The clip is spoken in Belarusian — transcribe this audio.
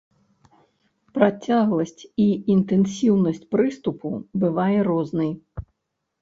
Працягласць і інтэнсіўнасць прыступу бывае рознай.